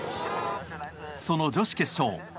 その女子決勝。